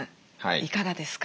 いかがですか？